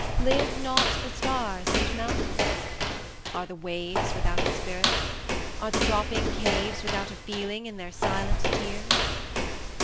Live not the Stars and Mountains? Are the Waves Without a spirit? Are the dropping caves Without a feeling in their silent tears?